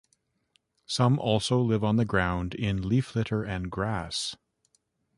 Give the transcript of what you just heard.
Some also live on the ground in leaf litter and grass.